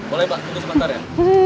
boleh pak tunggu sebentar ya